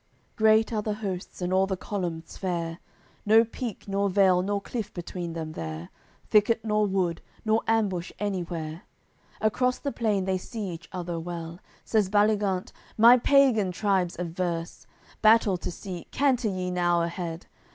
AOI. CCXXXVII Great are the hosts, and all the columns fair, No peak nor vale nor cliff between them there, Thicket nor wood, nor ambush anywhere; Across the plain they see each other well. Says Baligant: "My pagan tribes adverse, Battle to seek, canter ye now ahead!"